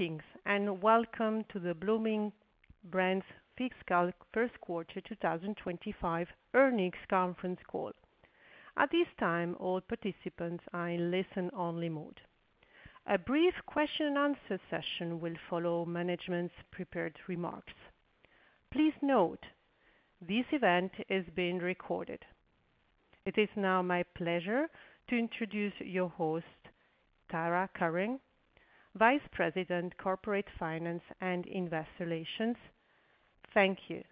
Greetings and welcome to the Bloomin' Brands fiscal first quarter 2025 earnings conference call. At this time, all participants are in listen-only mode. A brief question-and-answer session will follow management's prepared remarks. Please note this event is being recorded. It is now my pleasure to introduce your host, Tara Kurian, Vice President, Corporate Finance and Investor Relations. Thank you.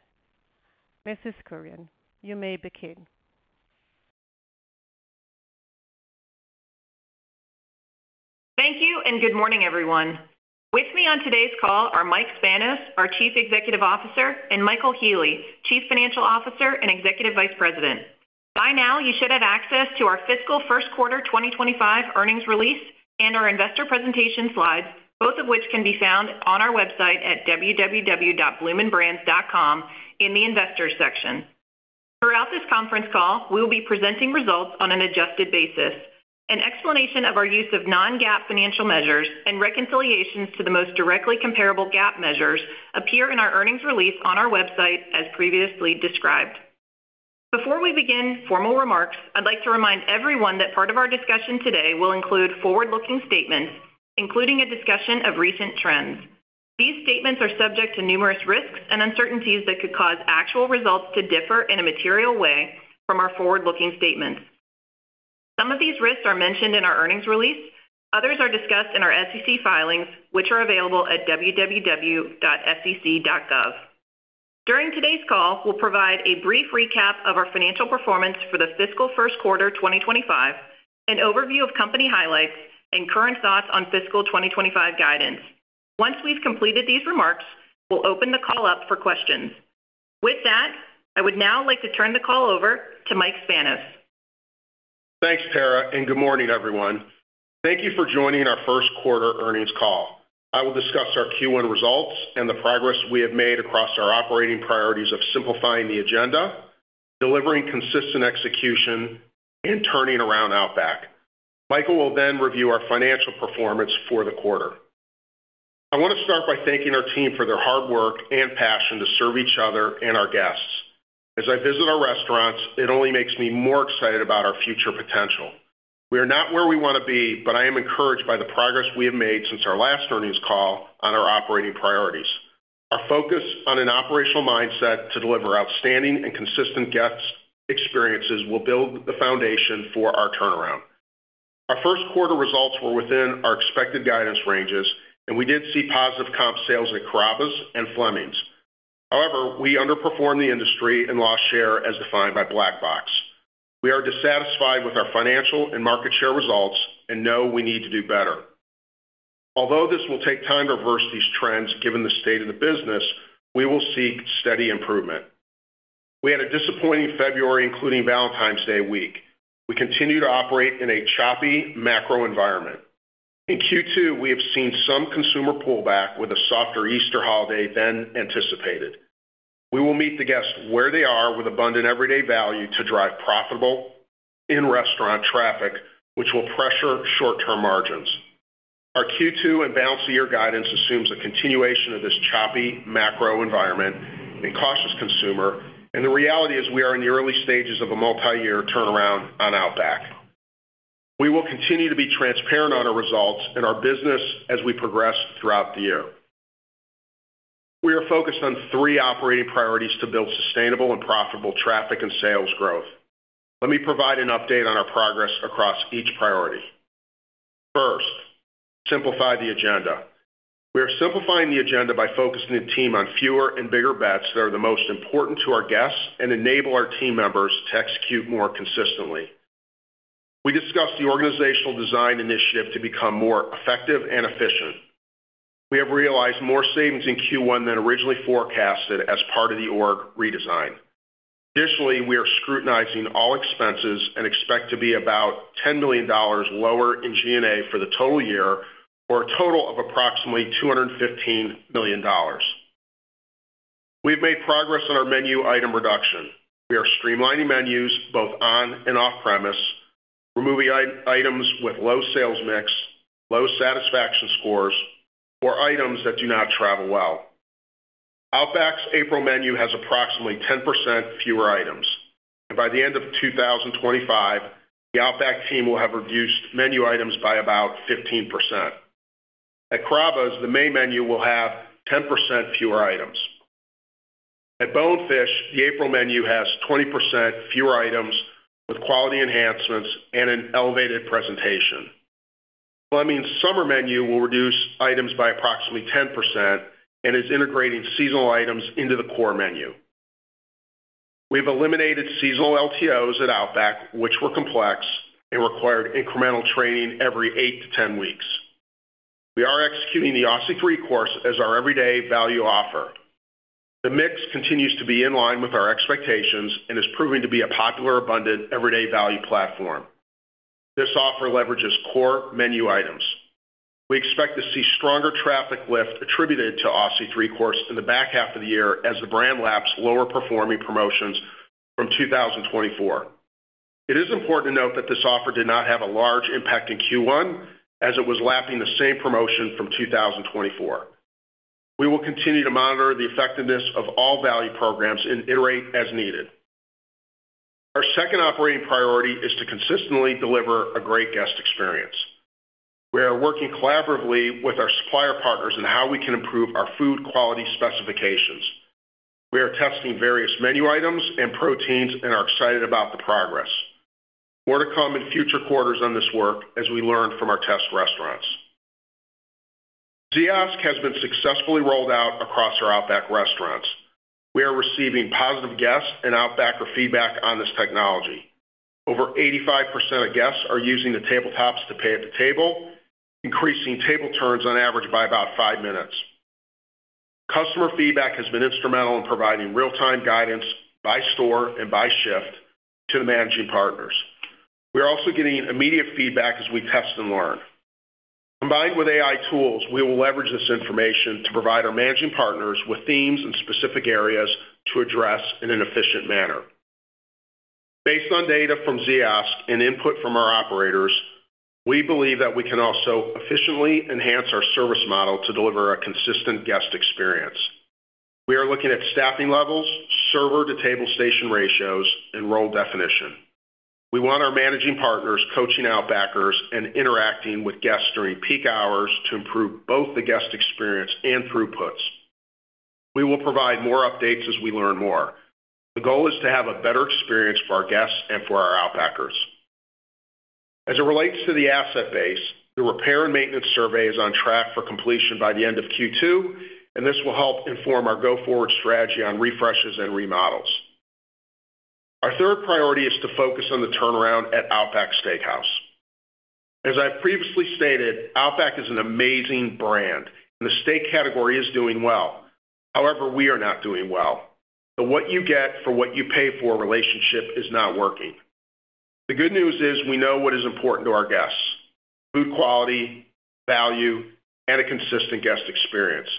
Mrs. Kurian, you may begin. Thank you and good morning, everyone. With me on today's call are Mike Spanos, our Chief Executive Officer, and Michael Healy, Chief Financial Officer and Executive Vice President. By now, you should have access to our fiscal first quarter 2025 earnings release and our investor presentation slides, both of which can be found on our website at www.bloominbrands.com in the investors section. Throughout this conference call, we will be presenting results on an adjusted basis. An explanation of our use of non-GAAP financial measures and reconciliations to the most directly comparable GAAP measures appear in our earnings release on our website, as previously described. Before we begin formal remarks, I'd like to remind everyone that part of our discussion today will include forward-looking statements, including a discussion of recent trends. These statements are subject to numerous risks and uncertainties that could cause actual results to differ in a material way from our forward-looking statements. Some of these risks are mentioned in our earnings release. Others are discussed in our SEC filings, which are available at www.sec.gov. During today's call, we'll provide a brief recap of our financial performance for the fiscal first quarter 2025, an overview of company highlights, and current thoughts on fiscal 2025 guidance. Once we've completed these remarks, we'll open the call up for questions. With that, I would now like to turn the call over to Mike Spanos. Thanks, Tara, and good morning, everyone. Thank you for joining our first quarter earnings call. I will discuss our Q1 results and the progress we have made across our operating priorities of simplifying the agenda, delivering consistent execution, and turning around Outback. Michael will then review our financial performance for the quarter. I want to start by thanking our team for their hard work and passion to serve each other and our guests. As I visit our restaurants, it only makes me more excited about our future potential. We are not where we want to be, but I am encouraged by the progress we have made since our last earnings call on our operating priorities. Our focus on an operational mindset to deliver outstanding and consistent guest experiences will build the foundation for our turnaround. Our first quarter results were within our expected guidance ranges, and we did see positive comp sales at Carrabba's and Fleming's. However, we underperformed the industry and lost share as defined by Black Box. We are dissatisfied with our financial and market share results and know we need to do better. Although this will take time to reverse these trends, given the state of the business, we will seek steady improvement. We had a disappointing February, including Valentine's Day week. We continue to operate in a choppy macro environment. In Q2, we have seen some consumer pullback with a softer Easter holiday than anticipated. We will meet the guests where they are with abundant everyday value to drive profitable in-restaurant traffic, which will pressure short-term margins. Our Q2 and balance of year guidance assumes a continuation of this choppy macro environment and cautious consumer. The reality is we are in the early stages of a multi-year turnaround on Outback. We will continue to be transparent on our results and our business as we progress throughout the year. We are focused on three operating priorities to build sustainable and profitable traffic and sales growth. Let me provide an update on our progress across each priority. First, simplify the agenda. We are simplifying the agenda by focusing the team on fewer and bigger bets that are the most important to our guests and enable our team members to execute more consistently. We discussed the organizational design initiative to become more effective and efficient. We have realized more savings in Q1 than originally forecasted as part of the org redesign. Additionally, we are scrutinizing all expenses and expect to be about $10 million lower in G&A for the total year for a total of approximately $215 million. We have made progress on our menu item reduction. We are streamlining menus both on and off-premises, removing items with low sales mix, low satisfaction scores, or items that do not travel well. Outback's April menu has approximately 10% fewer items. By the end of 2025, the Outback team will have reduced menu items by about 15%. At Carrabba's, the May menu will have 10% fewer items. At Bonefish, the April menu has 20% fewer items with quality enhancements and an elevated presentation. Fleming's summer menu will reduce items by approximately 10% and is integrating seasonal items into the core menu. We have eliminated seasonal LTOs at Outback, which were complex and required incremental training every 8-10 weeks. We are executing the Aussie 3-Course as our everyday value offer. The mix continues to be in line with our expectations and is proving to be a popular, abundant everyday value platform. This offer leverages core menu items. We expect to see stronger traffic lift attributed to Aussie 3-Course in the back half of the year as the brand laps lower performing promotions from 2024. It is important to note that this offer did not have a large impact in Q1 as it was lapping the same promotion from 2024. We will continue to monitor the effectiveness of all value programs and iterate as needed. Our second operating priority is to consistently deliver a great guest experience. We are working collaboratively with our supplier partners on how we can improve our food quality specifications. We are testing various menu items and proteins and are excited about the progress. More to come in future quarters on this work as we learn from our test restaurants. Ziosk has been successfully rolled out across our Outback restaurants. We are receiving positive guests and Outbacker feedback on this technology. Over 85% of guests are using the tabletops to pay at the table, increasing table turns on average by about five minutes. Customer feedback has been instrumental in providing real-time guidance by store and by shift to the managing partners. We are also getting immediate feedback as we test and learn. Combined with AI tools, we will leverage this information to provide our managing partners with themes and specific areas to address in an efficient manner. Based on data from Ziosk and input from our operators, we believe that we can also efficiently enhance our service model to deliver a consistent guest experience. We are looking at staffing levels, server-to-table station ratios, and role definition. We want our managing partners coaching Outbackers and interacting with guests during peak hours to improve both the guest experience and throughputs. We will provide more updates as we learn more. The goal is to have a better experience for our guests and for our Outbackers. As it relates to the asset base, the repair and maintenance survey is on track for completion by the end of Q2, and this will help inform our go-forward strategy on refreshes and remodels. Our third priority is to focus on the turnaround at Outback Steakhouse. As I've previously stated, Outback is an amazing brand, and the steak category is doing well. However, we are not doing well. The what you get for what you pay for relationship is not working. The good news is we know what is important to our guests: food quality, value, and a consistent guest experience.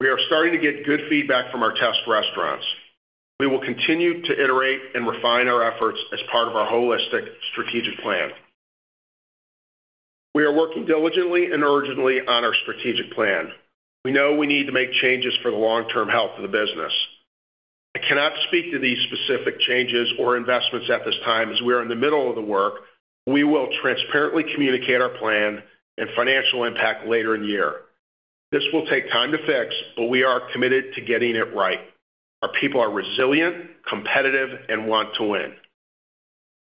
We are starting to get good feedback from our test restaurants. We will continue to iterate and refine our efforts as part of our holistic strategic plan. We are working diligently and urgently on our strategic plan. We know we need to make changes for the long-term health of the business. I cannot speak to these specific changes or investments at this time as we are in the middle of the work. We will transparently communicate our plan and financial impact later in the year. This will take time to fix, but we are committed to getting it right. Our people are resilient, competitive, and want to win.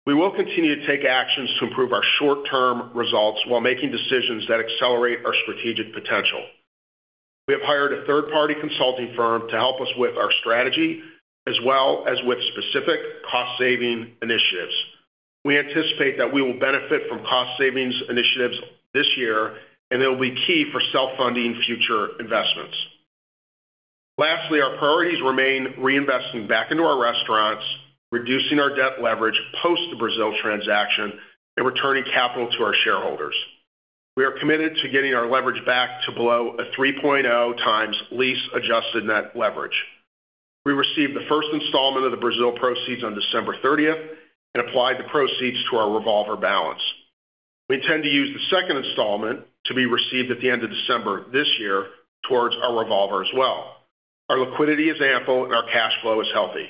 We will continue to take actions to improve our short-term results while making decisions that accelerate our strategic potential. We have hired a third-party consulting firm to help us with our strategy as well as with specific cost-saving initiatives. We anticipate that we will benefit from cost-savings initiatives this year, and they will be key for self-funding future investments. Lastly, our priorities remain reinvesting back into our restaurants, reducing our debt leverage post-Brazil transaction, and returning capital to our shareholders. We are committed to getting our leverage back to below a 3.0x lease-adjusted net leverage. We received the first installment of the Brazil proceeds on December 30 and applied the proceeds to our revolver balance. We intend to use the second installment to be received at the end of December this year towards our revolver as well. Our liquidity is ample and our cash flow is healthy.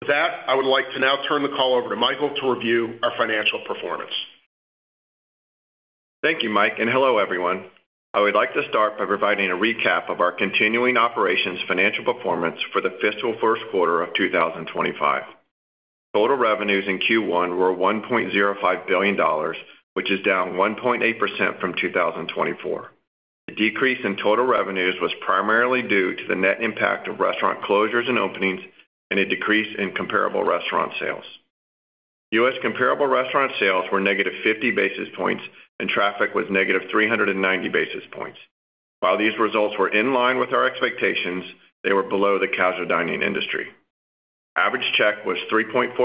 With that, I would like to now turn the call over to Michael to review our financial performance. Thank you, Mike, and hello, everyone. I would like to start by providing a recap of our continuing operations financial performance for the fiscal first quarter of 2025. Total revenues in Q1 were $1.05 billion, which is down 1.8% from 2024. The decrease in total revenues was primarily due to the net impact of restaurant closures and openings and a decrease in comparable restaurant sales. U.S. comparable restaurant sales were -50 basis points, and traffic was -390 basis points. While these results were in line with our expectations, they were below the casual dining industry. Average check was 3.4%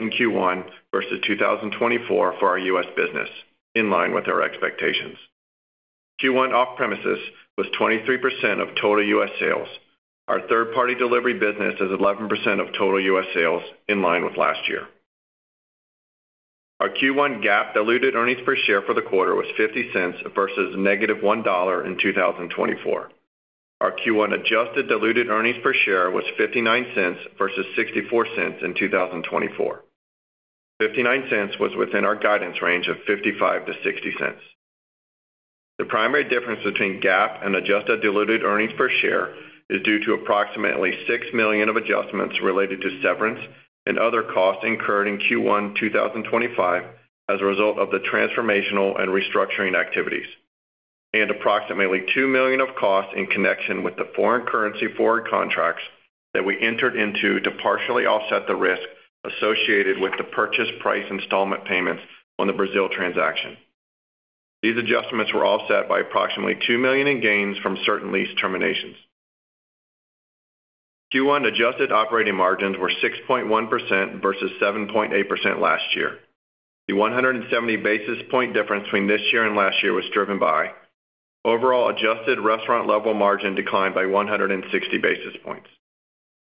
in Q1 versus 2024 for our U.S. business, in line with our expectations. Q1 off-premises was 23% of total U.S. sales. Our third-party delivery business is 11% of total U.S. sales, in line with last year. Our Q1 GAAP diluted earnings per share for the quarter was $0.50 versus -$1 in 2024. Our Q1 adjusted diluted earnings per share was $0.59 versus $0.64 in 2024. $0.59 was within our guidance range of $0.55-$0.60. The primary difference between GAAP and adjusted diluted earnings per share is due to approximately $6 million of adjustments related to severance and other costs incurred in Q1 2025 as a result of the transformational and restructuring activities, and approximately $2 million of costs in connection with the foreign currency forward contracts that we entered into to partially offset the risk associated with the purchase price installment payments on the Brazil transaction. These adjustments were offset by approximately $2 million in gains from certain lease terminations. Q1 adjusted operating margins were 6.1% versus 7.8% last year. The 170 basis point difference between this year and last year was driven by overall adjusted restaurant-level margin decline by 160 basis points.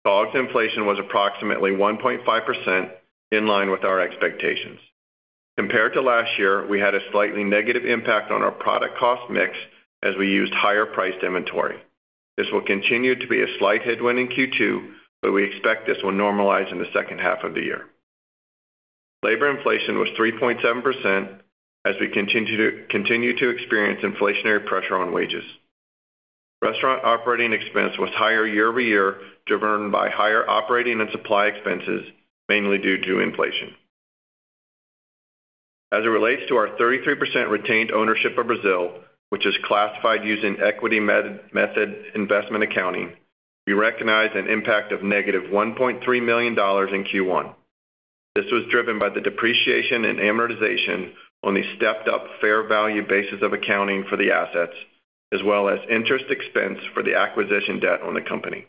COGS inflation was approximately 1.5%, in line with our expectations. Compared to last year, we had a slightly negative impact on our product cost mix as we used higher priced inventory. This will continue to be a slight headwind in Q2, but we expect this will normalize in the second half of the year. Labor inflation was 3.7% as we continue to experience inflationary pressure on wages. Restaurant operating expense was higher year over year, driven by higher operating and supply expenses, mainly due to inflation. As it relates to our 33% retained ownership of Brazil, which is classified using equity method investment accounting, we recognize an impact of -$1.3 million in Q1. This was driven by the depreciation and amortization on the stepped-up fair value basis of accounting for the assets, as well as interest expense for the acquisition debt on the company.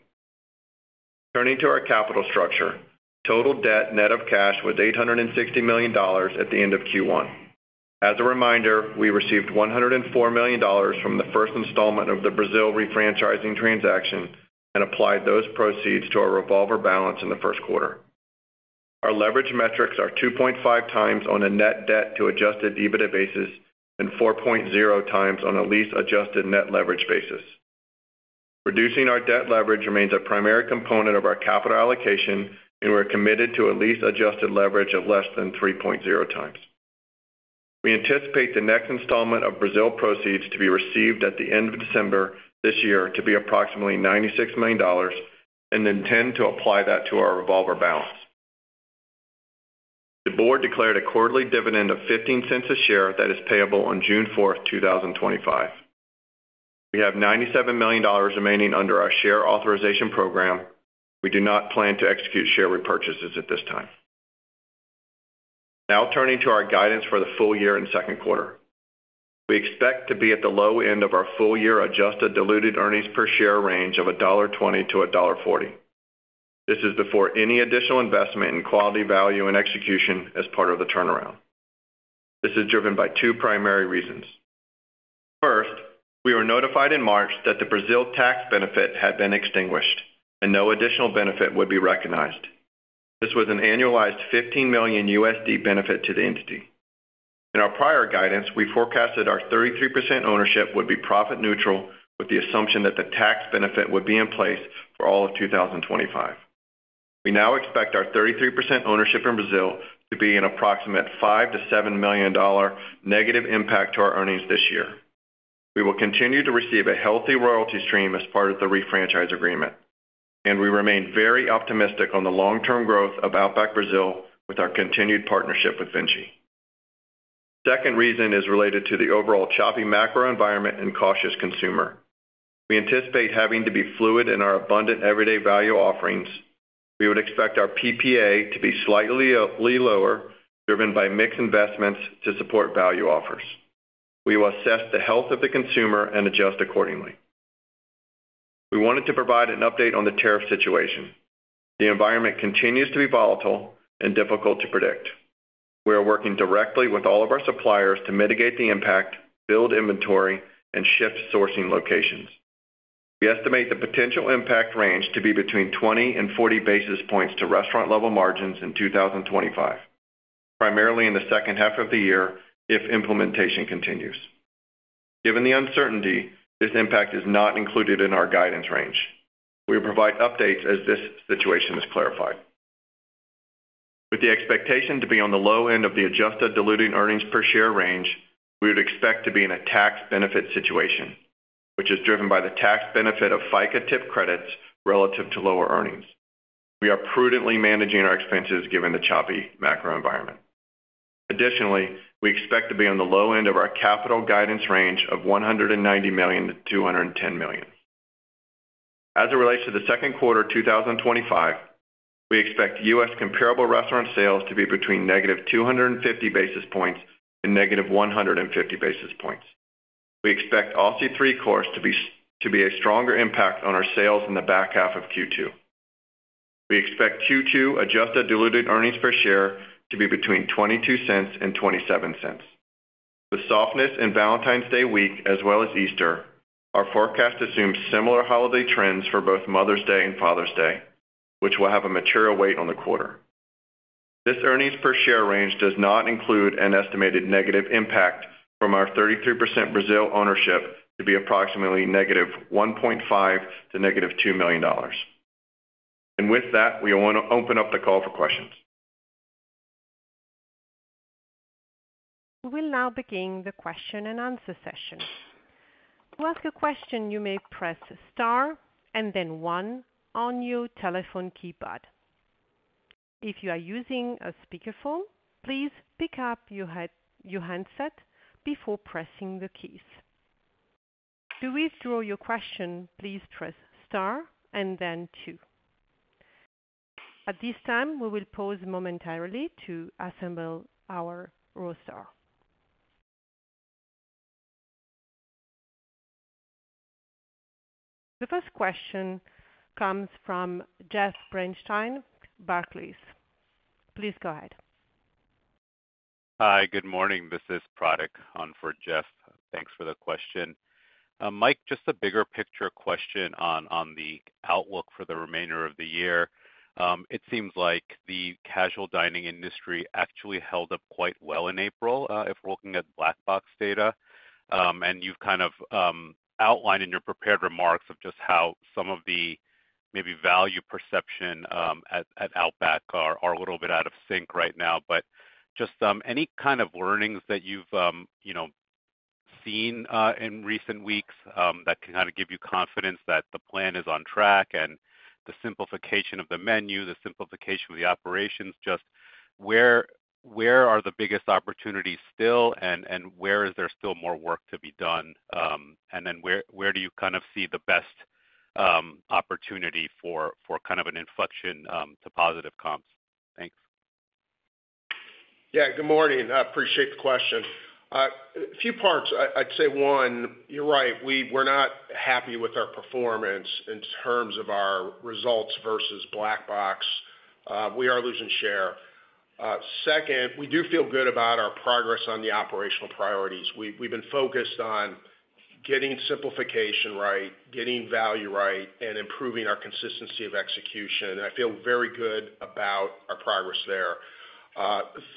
Turning to our capital structure, total debt net of cash was $860 million at the end of Q1. As a reminder, we received $104 million from the first installment of the Brazil refranchising transaction and applied those proceeds to our revolver balance in the first quarter. Our leverage metrics are 2.5x on a net debt to adjusted EBITDA basis and 4.0x on a lease-adjusted net leverage basis. Reducing our debt leverage remains a primary component of our capital allocation, and we're committed to a lease-adjusted leverage of less than 3.0x. We anticipate the next installment of Brazil proceeds to be received at the end of December this year to be approximately $96 million, and then tend to apply that to our revolver balance. The board declared a quarterly dividend of $0.15 a share that is payable on June 4, 2025. We have $97 million remaining under our share authorization program. We do not plan to execute share repurchases at this time. Now turning to our guidance for the full year and second quarter, we expect to be at the low end of our full year adjusted diluted earnings per share range of $1.20-$1.40. This is before any additional investment in quality value and execution as part of the turnaround. This is driven by two primary reasons. First, we were notified in March that the Brazil tax benefit had been extinguished and no additional benefit would be recognized. This was an annualized $15 million benefit to the entity. In our prior guidance, we forecasted our 33% ownership would be profit neutral with the assumption that the tax benefit would be in place for all of 2025. We now expect our 33% ownership in Brazil to be an approximate $5 million-$7 million negative impact to our earnings this year. We will continue to receive a healthy royalty stream as part of the refranchise agreement, and we remain very optimistic on the long-term growth of Outback Brazil with our continued partnership with Vinci. The second reason is related to the overall choppy macro environment and cautious consumer. We anticipate having to be fluid in our abundant everyday value offerings. We would expect our PPA to be slightly lower, driven by mixed investments to support value offers. We will assess the health of the consumer and adjust accordingly. We wanted to provide an update on the tariff situation. The environment continues to be volatile and difficult to predict. We are working directly with all of our suppliers to mitigate the impact, build inventory, and shift sourcing locations. We estimate the potential impact range to be between 20 and 40 basis points to restaurant-level margins in 2025, primarily in the second half of the year if implementation continues. Given the uncertainty, this impact is not included in our guidance range. We will provide updates as this situation is clarified. With the expectation to be on the low end of the adjusted diluted earnings per share range, we would expect to be in a tax benefit situation, which is driven by the tax benefit of FICA tip credits relative to lower earnings. We are prudently managing our expenses given the choppy macro environment. Additionally, we expect to be on the low end of our capital guidance range of $190 million-$210 million. As it relates to the second quarter 2025, we expect U.S. comparable restaurant sales to be between -250 basis points and -150 basis points. We expect Aussie 3-Course to be a stronger impact on our sales in the back half of Q2. We expect Q2 adjusted diluted earnings per share to be between $0.22-$0.27. With softness in Valentine's Day week as well as Easter, our forecast assumes similar holiday trends for both Mother's Day and Father's Day, which will have a material weight on the quarter. This earnings per share range does not include an estimated negative impact from our 33% Brazil ownership to be approximately -$1.5 million to -$2 million. With that, we want to open up the call for questions. will now begin the question and answer session. To ask a question, you may press Star and then 1 on your telephone keypad. If you are using a speakerphone, please pick up your handset before pressing the keys. To withdraw your question, please press Star and then 2. At this time, we will pause momentarily to assemble our roster. The first question comes from Jeff Bernstein, Barclays. Please go ahead. Hi, good morning. This is Pratik on for Jeff. Thanks for the question. Mike, just a bigger picture question on the outlook for the remainder of the year. It seems like the casual dining industry actually held up quite well in April if we're looking at Black Box data. You kind of outlined in your prepared remarks just how some of the maybe value perception at Outback are a little bit out of sync right now. Just any kind of learnings that you've seen in recent weeks that can kind of give you confidence that the plan is on track and the simplification of the menu, the simplification of the operations, just where are the biggest opportunities still and where is there still more work to be done? Where do you kind of see the best opportunity for kind of an inflection to positive comps? Thanks. Yeah, good morning. I appreciate the question. A few parts. I'd say one, you're right. We're not happy with our performance in terms of our results versus Black Box. We are losing share. Second, we do feel good about our progress on the operational priorities. We've been focused on getting simplification right, getting value right, and improving our consistency of execution. I feel very good about our progress there.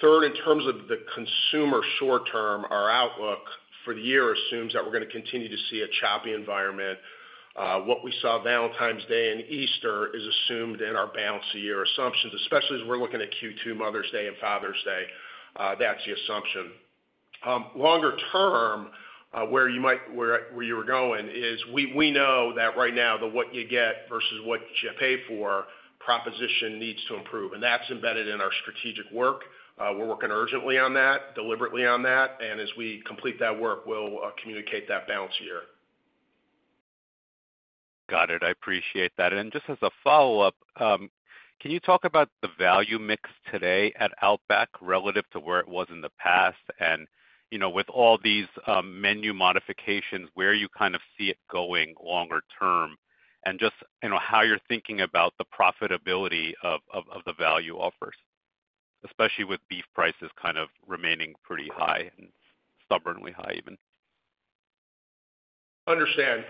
Third, in terms of the consumer short-term, our outlook for the year assumes that we're going to continue to see a choppy environment. What we saw Valentine's Day and Easter is assumed in our balance of year assumptions, especially as we're looking at Q2 Mother's Day and Father's Day. That's the assumption. Longer term, where you were going is we know that right now the what you get versus what you pay for proposition needs to improve. That's embedded in our strategic work. We're working urgently on that, deliberately on that. As we complete that work, we'll communicate that balance of year. Got it. I appreciate that. Just as a follow-up, can you talk about the value mix today at Outback relative to where it was in the past? With all these menu modifications, where you kind of see it going longer term and just how you're thinking about the profitability of the value offers, especially with beef prices kind of remaining pretty high and stubbornly high even? Understand.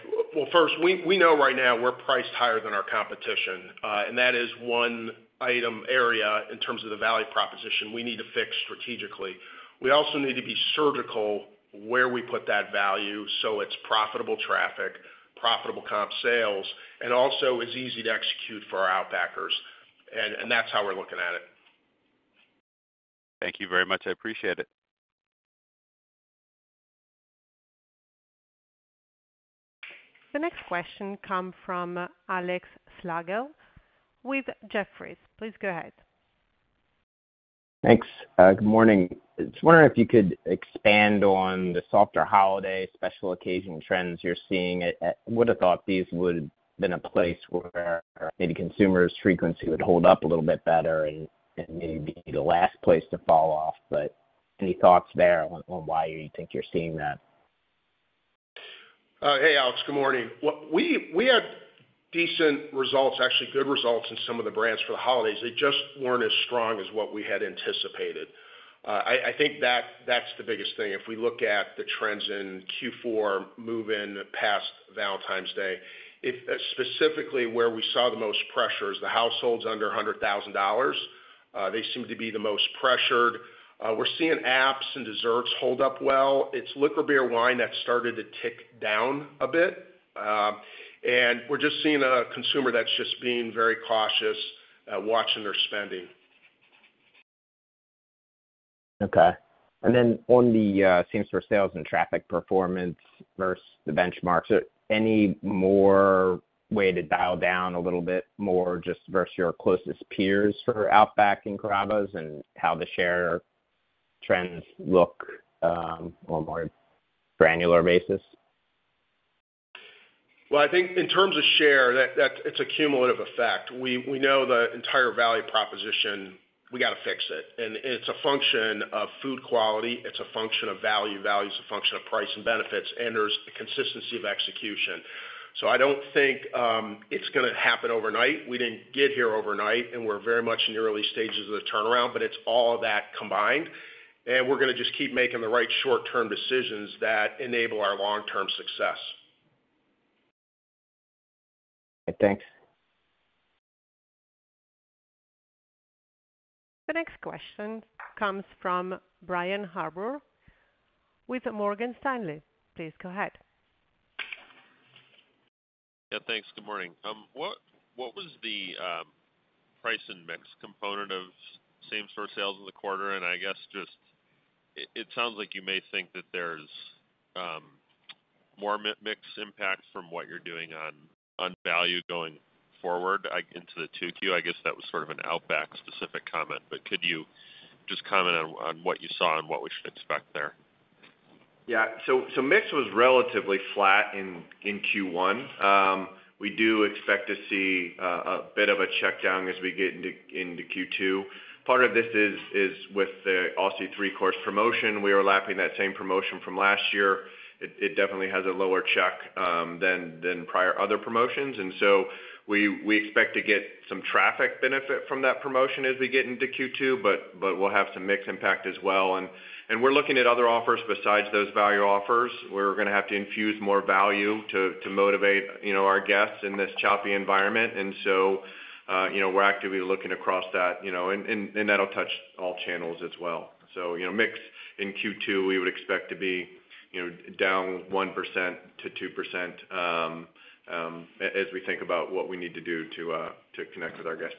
First, we know right now we're priced higher than our competition. That is one item area in terms of the value proposition we need to fix strategically. We also need to be surgical where we put that value so it's profitable traffic, profitable comp sales, and also is easy to execute for our Outbackers. That's how we're looking at it. Thank you very much. I appreciate it. The next question comes from Alex Slagle with Jefferies. Please go ahead. Thanks. Good morning. Just wondering if you could expand on the softer holiday special occasion trends you're seeing. Would have thought these would have been a place where maybe consumers' frequency would hold up a little bit better and maybe be the last place to fall off. Any thoughts there on why you think you're seeing that? Hey, Alex. Good morning. We had decent results, actually good results in some of the brands for the holidays. They just were not as strong as what we had anticipated. I think that is the biggest thing. If we look at the trends in Q4 moving past Valentine's Day, specifically where we saw the most pressure is the households under $100,000. They seem to be the most pressured. We are seeing apps and desserts hold up well. It is liquor, beer, wine that started to tick down a bit. We are just seeing a consumer that is just being very cautious watching their spending. Okay. On the same sort of sales and traffic performance versus the benchmarks, any more way to dial down a little bit more just versus your closest peers for Outback and Carrabba's and how the share trends look on a more granular basis? I think in terms of share, it's a cumulative effect. We know the entire value proposition, we got to fix it. It's a function of food quality. It's a function of value. Value is a function of price and benefits. There's a consistency of execution. I don't think it's going to happen overnight. We didn't get here overnight, and we're very much in the early stages of the turnaround, but it's all of that combined. We're going to just keep making the right short-term decisions that enable our long-term success. Thanks. The next question comes from Brian Harbour with Morgan Stanley. Please go ahead. Yeah, thanks. Good morning. What was the price and mix component of same sort of sales in the quarter? I guess just it sounds like you may think that there's more mix impact from what you're doing on value going forward into the Q2. I guess that was sort of an Outback-specific comment. Could you just comment on what you saw and what we should expect there? Yeah. Mix was relatively flat in Q1. We do expect to see a bit of a checkdown as we get into Q2. Part of this is with the Aussie 3-Course promotion. We are lapping that same promotion from last year. It definitely has a lower check than prior other promotions. We expect to get some traffic benefit from that promotion as we get into Q2, but we'll have some mix impact as well. We're looking at other offers besides those value offers. We're going to have to infuse more value to motivate our guests in this choppy environment. We're actively looking across that, and that'll touch all channels as well. Mix in Q2, we would expect to be down 1%-2% as we think about what we need to do to connect with our guests.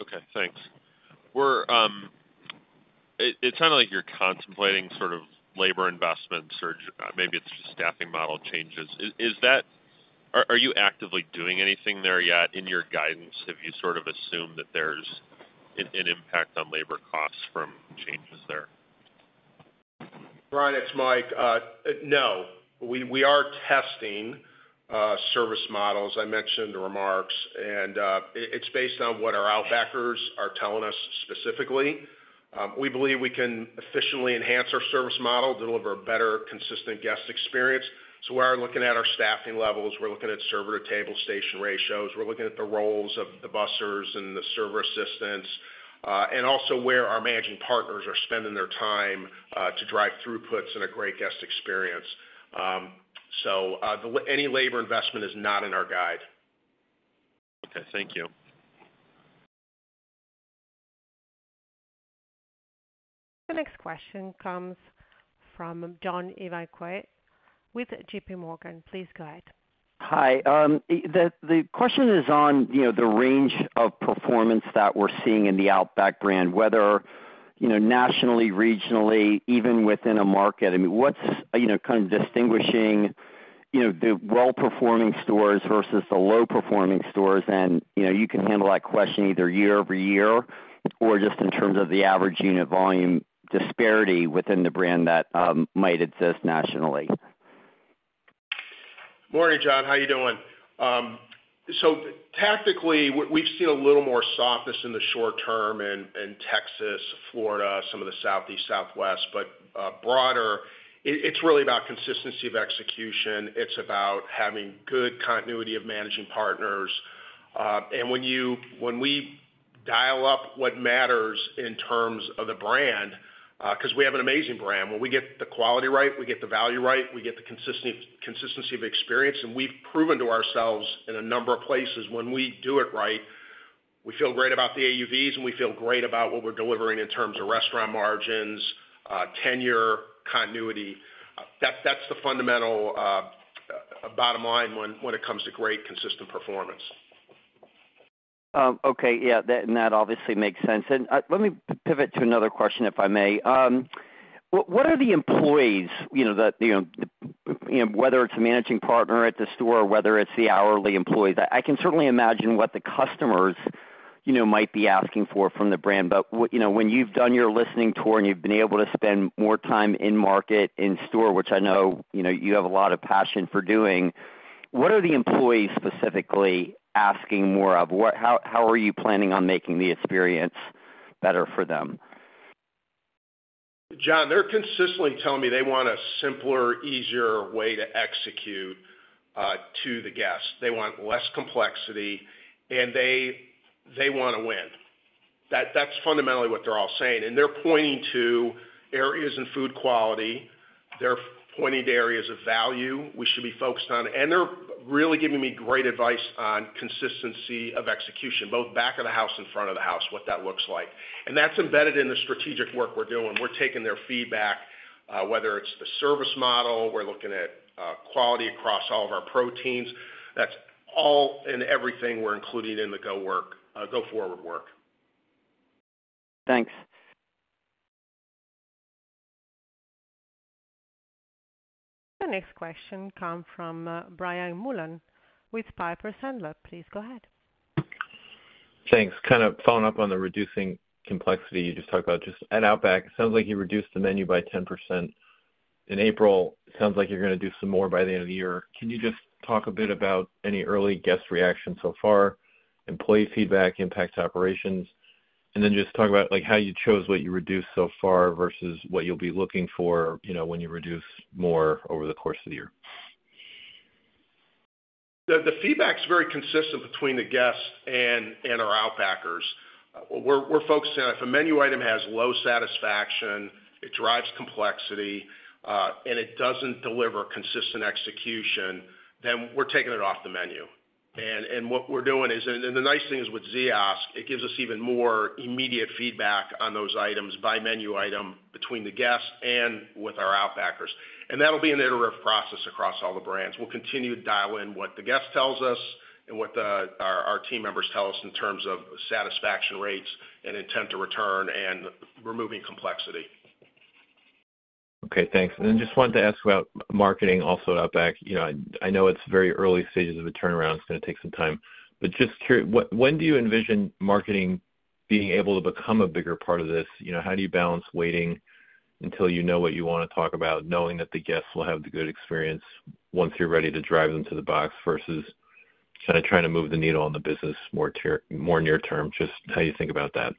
Okay. Thanks. It sounded like you're contemplating sort of labor investments or maybe it's just staffing model changes. Are you actively doing anything there yet in your guidance? Have you sort of assumed that there's an impact on labor costs from changes there? Brian, it's Mike. No. We are testing service models. I mentioned the remarks. And it's based on what our Outbackers are telling us specifically. We believe we can efficiently enhance our service model, deliver a better consistent guest experience. We are looking at our staffing levels. We're looking at server-to-table station ratios. We're looking at the roles of the bussers and the server assistants, and also where our managing partners are spending their time to drive throughputs and a great guest experience. Any labor investment is not in our guide. Okay. Thank you. The next question comes from John Ivankoe with JPMorgan. Please go ahead. Hi. The question is on the range of performance that we're seeing in the Outback brand, whether nationally, regionally, even within a market. I mean, what's kind of distinguishing the well-performing stores versus the low-performing stores? You can handle that question either year over year or just in terms of the average unit volume disparity within the brand that might exist nationally. Good morning, John. How are you doing? Tactically, we've seen a little more softness in the short term in Texas, Florida, some of the Southeast, Southwest, but broader, it's really about consistency of execution. It's about having good continuity of managing partners. When we dial up what matters in terms of the brand, because we have an amazing brand, when we get the quality right, we get the value right, we get the consistency of experience. We've proven to ourselves in a number of places when we do it right, we feel great about the AUVs, and we feel great about what we're delivering in terms of restaurant margins, tenure, continuity. That's the fundamental bottom line when it comes to great consistent performance. Okay. Yeah. That obviously makes sense. Let me pivot to another question if I may. What are the employees, whether it's a managing partner at the store or whether it's the hourly employees? I can certainly imagine what the customers might be asking for from the brand. When you've done your listening tour and you've been able to spend more time in market, in store, which I know you have a lot of passion for doing, what are the employees specifically asking more of? How are you planning on making the experience better for them? John, they're consistently telling me they want a simpler, easier way to execute to the guests. They want less complexity, and they want to win. That's fundamentally what they're all saying. They're pointing to areas in food quality. They're pointing to areas of value we should be focused on. They're really giving me great advice on consistency of execution, both back of the house and front of the house, what that looks like. That's embedded in the strategic work we're doing. We're taking their feedback, whether it's the service model. We're looking at quality across all of our proteins. That's all and everything we're including in the go forward work. Thanks. The next question comes from Brian Mullan with Piper Sandler. Please go ahead. Thanks. Kind of following up on the reducing complexity you just talked about, just at Outback, it sounds like you reduced the menu by 10% in April. Sounds like you're going to do some more by the end of the year. Can you just talk a bit about any early guest reactions so far, employee feedback, impact operations, and then just talk about how you chose what you reduced so far versus what you'll be looking for when you reduce more over the course of the year? The feedback's very consistent between the guests and our Outbackers. We're focusing on if a menu item has low satisfaction, it drives complexity, and it doesn't deliver consistent execution, then we're taking it off the menu. What we're doing is, and the nice thing is with Ziosk, it gives us even more immediate feedback on those items by menu item between the guests and with our Outbackers. That'll be an iterative process across all the brands. We'll continue to dial in what the guest tells us and what our team members tell us in terms of satisfaction rates and intent to return and removing complexity. Okay. Thanks. I just wanted to ask about marketing also at Outback. I know it's very early stages of a turnaround. It's going to take some time. Just curious, when do you envision marketing being able to become a bigger part of this? How do you balance waiting until you know what you want to talk about, knowing that the guests will have the good experience once you're ready to drive them to the box versus kind of trying to move the needle on the business more near-term? Just how you think about that.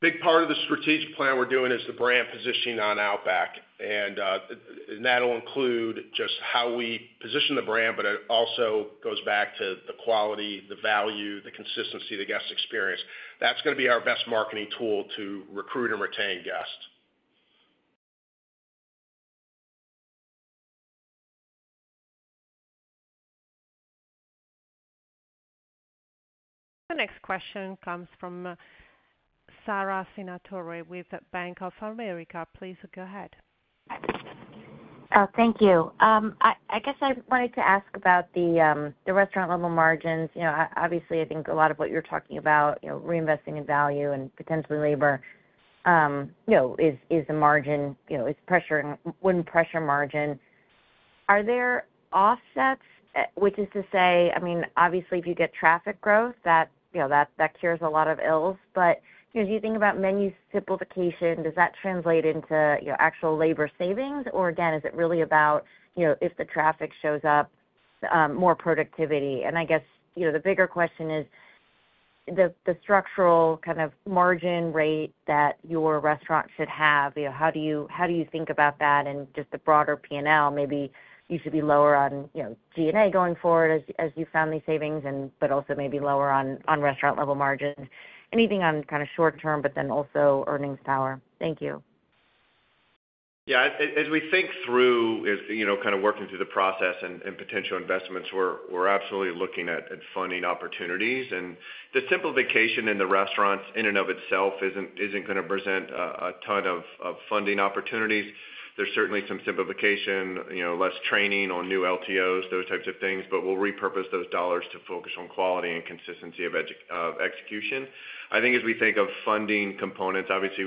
Big part of the strategic plan we're doing is the brand positioning on Outback. That'll include just how we position the brand, but it also goes back to the quality, the value, the consistency, the guest experience. That's going to be our best marketing tool to recruit and retain guests. The next question comes from Sara Senatore with Bank of America. Please go ahead. Thank you. I guess I wanted to ask about the restaurant-level margins. Obviously, I think a lot of what you're talking about, reinvesting in value and potentially labor is a margin. It's pressure and wouldn't pressure margin. Are there offsets, which is to say, I mean, obviously, if you get traffic growth, that cures a lot of ills. If you think about menu simplification, does that translate into actual labor savings? Or again, is it really about if the traffic shows up, more productivity? I guess the bigger question is the structural kind of margin rate that your restaurant should have. How do you think about that? Just the broader P&L, maybe you should be lower on G&A going forward as you found these savings, but also maybe lower on restaurant-level margins. Anything on kind of short term, but then also earnings power. Thank you. Yeah. As we think through kind of working through the process and potential investments, we're absolutely looking at funding opportunities. The simplification in the restaurants in and of itself isn't going to present a ton of funding opportunities. There's certainly some simplification, less training on new LTOs, those types of things. We'll repurpose those dollars to focus on quality and consistency of execution. I think as we think of funding components, obviously,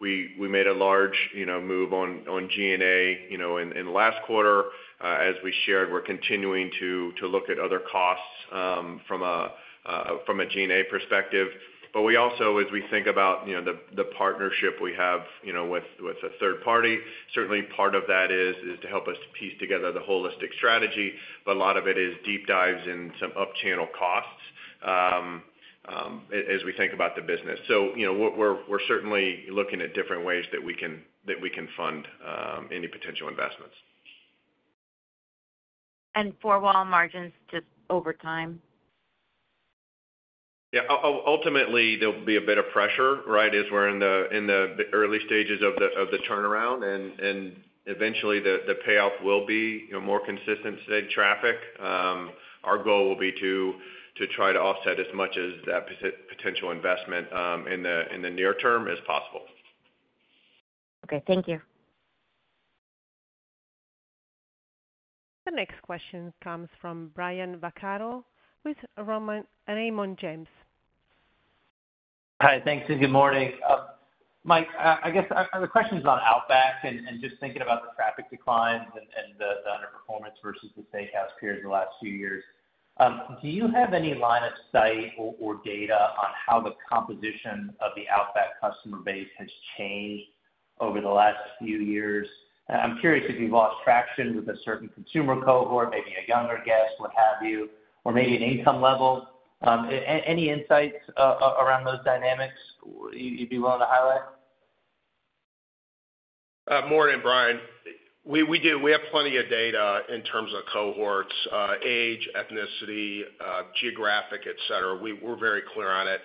we made a large move on G&A in the last quarter. As we shared, we're continuing to look at other costs from a G&A perspective. We also, as we think about the partnership we have with a third party, certainly part of that is to help us to piece together the holistic strategy. A lot of it is deep dives in some upchannel costs as we think about the business. We're certainly looking at different ways that we can fund any potential investments. Four-wall margins just over time? Yeah. Ultimately, there'll be a bit of pressure, right, as we're in the early stages of the turnaround. Eventually, the payoff will be more consistent, said traffic. Our goal will be to try to offset as much of that potential investment in the near term as possible. Okay. Thank you. The next question comes from Brian Vaccaro with Raymond James. Hi. Thanks. Good morning. Mike, I guess the question is on Outback and just thinking about the traffic declines and the underperformance versus the steakhouse peers the last few years. Do you have any line of sight or data on how the composition of the Outback customer base has changed over the last few years? I'm curious if you've lost traction with a certain consumer cohort, maybe a younger guest, what have you, or maybe an income level. Any insights around those dynamics you'd be willing to highlight? Morin' and Brian, we do. We have plenty of data in terms of cohorts, age, ethnicity, geographic, etc. We're very clear on it.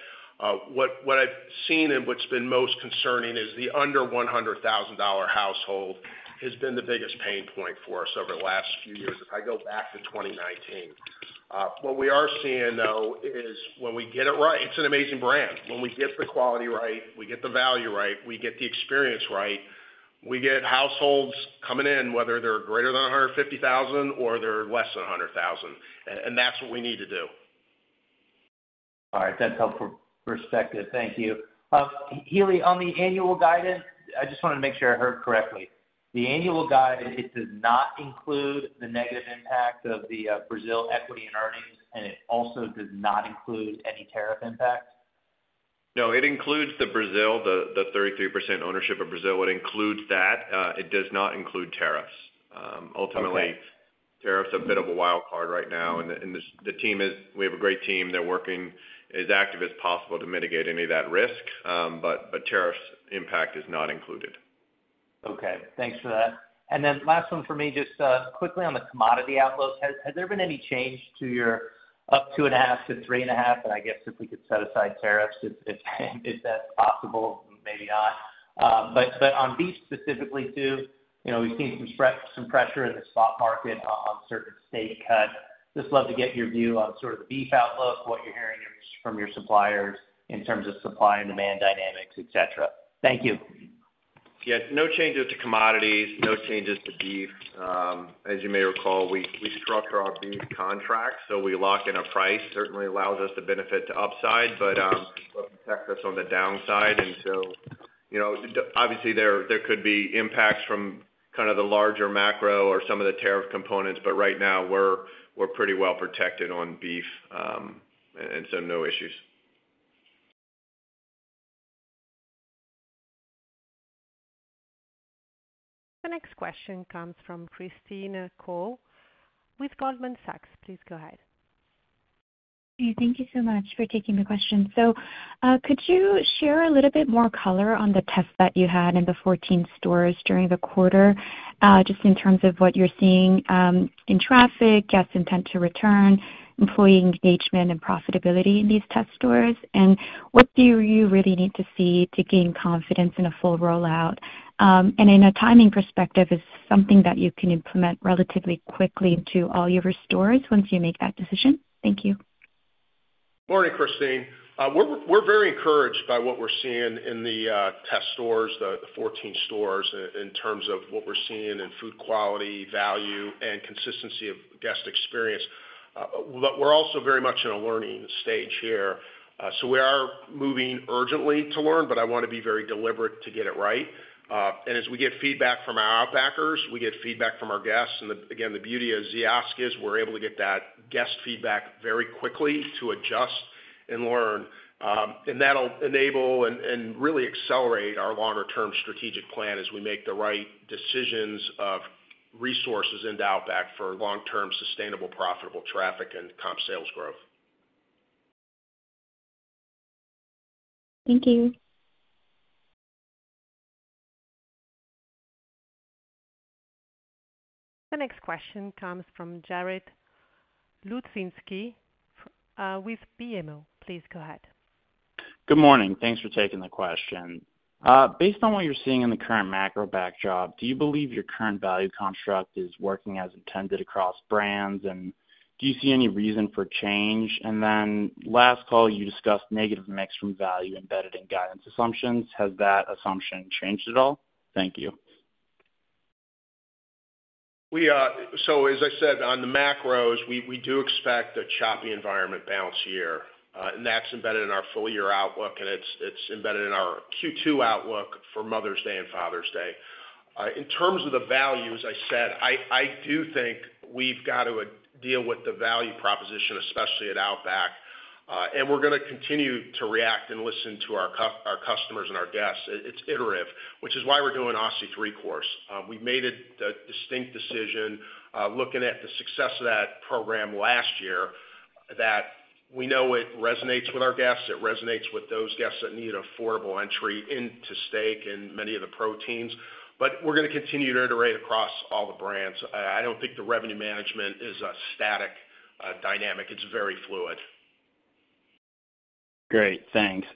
What I've seen and what's been most concerning is the under $100,000 household has been the biggest pain point for us over the last few years if I go back to 2019. What we are seeing, though, is when we get it right, it's an amazing brand. When we get the quality right, we get the value right, we get the experience right, we get households coming in, whether they're greater than $150,000 or they're less than $100,000. And that's what we need to do. All right. That's helpful perspective. Thank you. Healy, on the annual guidance, I just wanted to make sure I heard correctly. The annual guide, it does not include the negative impact of the Brazil equity and earnings, and it also does not include any tariff impact? No. It includes the Brazil, the 33% ownership of Brazil. It includes that. It does not include tariffs. Ultimately, tariffs are a bit of a wild card right now. The team is, we have a great team. They're working as active as possible to mitigate any of that risk. Tariffs impact is not included. Okay. Thanks for that. Last one for me, just quickly on the commodity outlook. Has there been any change to your up 2.5%-3.5%? I guess if we could set aside tariffs, if that's possible, maybe not. On beef specifically, too, we've seen some pressure in the spot market on certain steak cuts. Just love to get your view on sort of the beef outlook, what you're hearing from your suppliers in terms of supply and demand dynamics, etc. Thank you. Yeah. No changes to commodities, no changes to beef. As you may recall, we structure our beef contracts, so we lock in a price. Certainly allows us to benefit to upside, but protect us on the downside. Obviously, there could be impacts from kind of the larger macro or some of the tariff components. Right now, we're pretty well protected on beef, and so no issues. The next question comes from Christine Cho with Goldman Sachs. Please go ahead. Thank you so much for taking the question. Could you share a little bit more color on the tests that you had in the 14 stores during the quarter just in terms of what you're seeing in traffic, guest intent to return, employee engagement, and profitability in these test stores? What do you really need to see to gain confidence in a full rollout? In a timing perspective, is it something that you can implement relatively quickly to all your stores once you make that decision? Thank you. Morning, Christine. We're very encouraged by what we're seeing in the test stores, the 14 stores, in terms of what we're seeing in food quality, value, and consistency of guest experience. We are also very much in a learning stage here. We are moving urgently to learn, but I want to be very deliberate to get it right. As we get feedback from our Outbackers, we get feedback from our guests. The beauty of Ziosk is we're able to get that guest feedback very quickly to adjust and learn. That will enable and really accelerate our longer-term strategic plan as we make the right decisions of resources into Outback for long-term sustainable, profitable traffic and comp sales growth. Thank you. The next question comes from Jared Hludzinski with BMO. Please go ahead. Good morning. Thanks for taking the question. Based on what you're seeing in the current macro backdrop, do you believe your current value construct is working as intended across brands, and do you see any reason for change? Last call, you discussed negative mix from value embedded in guidance assumptions. Has that assumption changed at all? Thank you. As I said, on the macros, we do expect a choppy environment bounce year. That is embedded in our full-year outlook, and it is embedded in our Q2 outlook for Mother's Day and Father's Day. In terms of the value, as I said, I do think we have got to deal with the value proposition, especially at Outback. We are going to continue to react and listen to our customers and our guests. It is iterative, which is why we are doing an Aussie 3-Course. We made a distinct decision looking at the success of that program last year that we know it resonates with our guests. It resonates with those guests that need affordable entry into steak and many of the proteins. We are going to continue to iterate across all the brands. I do not think the revenue management is a static dynamic. It is very fluid. Great. Thanks.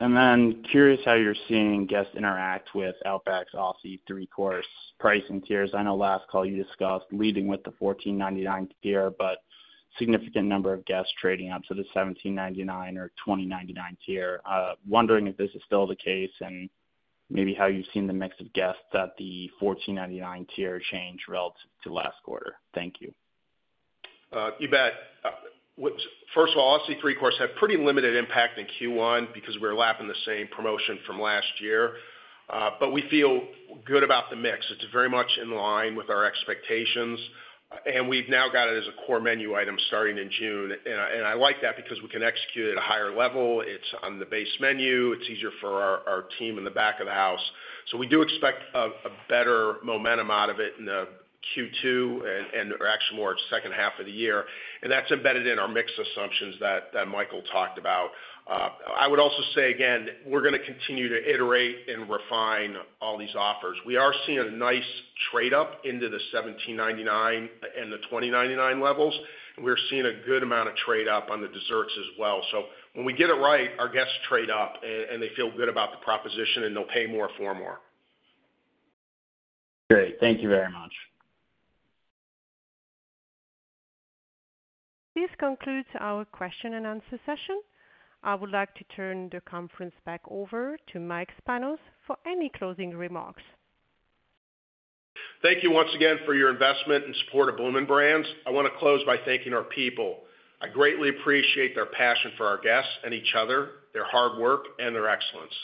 Curious how you're seeing guests interact with Outback's Aussie 3-Course pricing tiers. I know last call you discussed leading with the $14.99 tier, but significant number of guests trading up to the $17.99 or $20.99 tier. Wondering if this is still the case and maybe how you've seen the mix of guests at the $14.99 tier change relative to last quarter. Thank you. You bet. First of all, Aussie 3-Course had pretty limited impact in Q1 because we were lapping the same promotion from last year. But we feel good about the mix. It's very much in line with our expectations. We've now got it as a core menu item starting in June. I like that because we can execute at a higher level. It's on the base menu. It's easier for our team in the back of the house. We do expect better momentum out of it in Q2 and actually more second half of the year. That's embedded in our mix assumptions that Michael talked about. I would also say, again, we're going to continue to iterate and refine all these offers. We are seeing a nice trade-up into the $17.99 and the $20.99 levels. We're seeing a good amount of trade-up on the desserts as well. When we get it right, our guests trade up, and they feel good about the proposition, and they'll pay more for more. Great. Thank you very much. This concludes our question and answer session. I would like to turn the conference back over to Mike Spanos for any closing remarks. Thank you once again for your investment and support of Bloomin' Brands. I want to close by thanking our people. I greatly appreciate their passion for our guests and each other, their hard work, and their excellence.